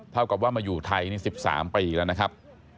เท่ากับว่ามาอยู่ไทยนี่๑๓ปีแล้วนะครับ